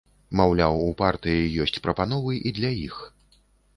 Маўляў, у партыі ёсць прапановы і для іх.